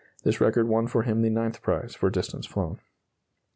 (This record won for him the ninth prize for distance flown.)